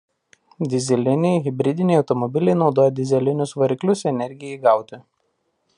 Dyzeliniai hibridiniai automobiliai naudoja dyzelinius variklius energijai gauti.